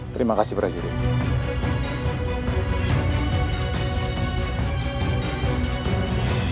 terima kasih prajurit